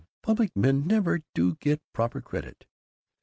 Public men never do get proper credit."